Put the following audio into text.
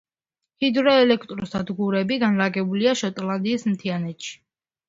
ჰიდროელექტროსადგურები განლაგებულია შოტლანდიის მთიანეთში.